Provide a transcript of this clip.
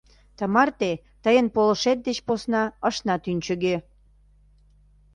Тымарте тыйын полышет деч посна ышна тӱнчыгӧ.